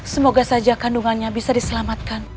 semoga saja kandungannya bisa diselamatkan